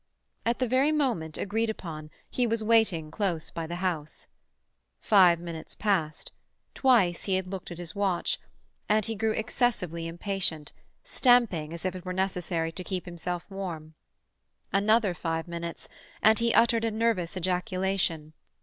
At the very moment agreed upon he was waiting close by the house. Five minutes passed; twice he had looked at his watch, and he grew excessively impatient, stamping as if it were necessary to keep himself warm. Another five minutes, and he uttered a nervous ejaculation.